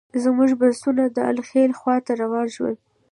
زموږ بسونه د الخلیل خواته روان شول.